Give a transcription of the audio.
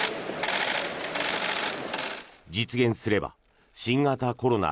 実現すれば新型コロナ